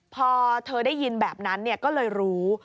พอเธอได้ยินแบบนั้นก็เลยรู้